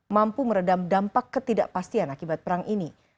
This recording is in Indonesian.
mampu meredam dampak ketidakpastian akibat perang ini